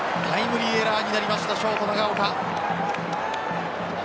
タイムリーエラーになりましたショート、長岡。